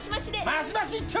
マシマシ一丁！